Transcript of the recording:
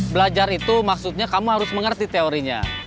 belajar itu maksudnya kamu harus mengerti teorinya